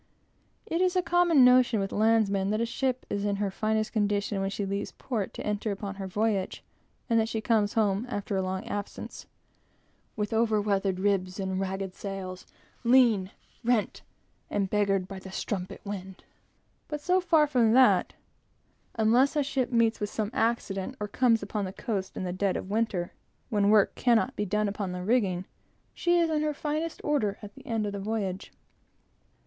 It is a common notion with landsmen that a ship is in her finest condition when she leaves port to enter upon her voyage; and that she comes home, after a long absence, "With over weathered ribs and ragged sails; Lean, rent and beggared by the strumpet wind." But so far from that, unless a ship meets with some accident, or comes upon the coast in the dead of winter, when work cannot be done upon the rigging, she is in her finest order at the end of the voyage.